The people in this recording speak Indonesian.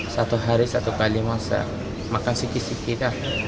satu hari satu kali masak makan sedikit sedikit